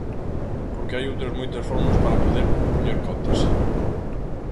Porque hai outras moitas fórmulas para poder poñer cotas.